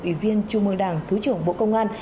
ủy viên trung mương đảng thứ trưởng bộ công an